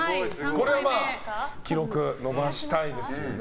これは記録伸ばしたいですよね。